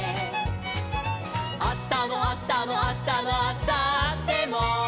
「あしたのあしたのあしたのあさっても」